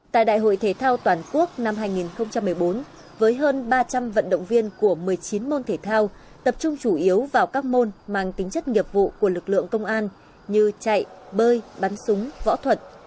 tại đại hội thể thao toàn quốc năm hai nghìn một mươi bốn với hơn ba trăm linh vận động viên của một mươi chín môn thể thao tập trung chủ yếu vào các môn mang tính chất nghiệp vụ của lực lượng công an như chạy bơi bắn súng võ thuật